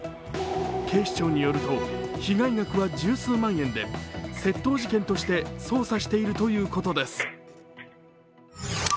警視庁によると被害額は十数万円で窃盗事件として捜査しているということです。